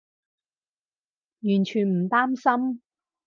完全唔擔心